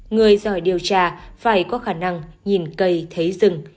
người giỏi điều tra phải có khả năng nhìn cây thấy rừng